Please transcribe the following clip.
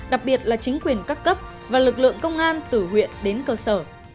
đặc biệt là chính quyền các cấp và lực lượng công an từ huyện đến cơ sở